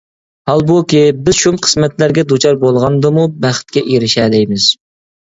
ھالبۇكى، بىز شۇم قىسمەتلەرگە دۇچار بولغاندىمۇ بەختكە ئېرىشەلەيمىز.